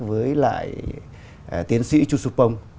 với lại tiến sĩ chú sưu pông